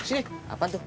sini apa tuh